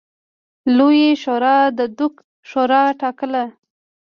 لویې شورا د دوک شورا ټاکله.